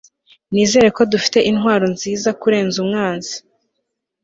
nizere ko dufite intwaro nziza kurenza umwanzi